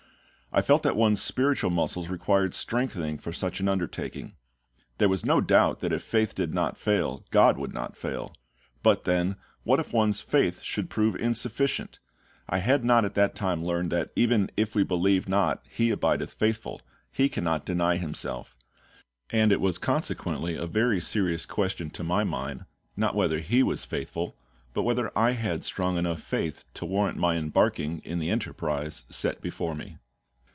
I felt that one's spiritual muscles required strengthening for such an undertaking. There was no doubt that if faith did not fail, GOD would not fail; but, then, what if one's faith should prove insufficient? I had not at that time learned that even "if we believe not, He abideth faithful, He cannot deny Himself"; and it was consequently a very serious question to my mind, not whether He was faithful, but whether I had strong enough faith to warrant my embarking in the enterprise set before me.